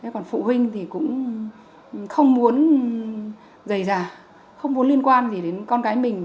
còn phụ huynh thì cũng không muốn giày dà không muốn liên quan gì đến con cái mình